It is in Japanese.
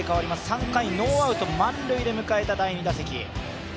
３回ノーアウト満塁で迎えた第２打席。